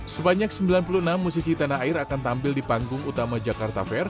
sebanyak sembilan puluh enam musisi tanah air akan tampil di panggung utama jakarta fair